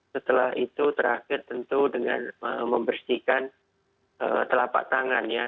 setelah itu terakhir tentu dengan membersihkan telapak tangan ya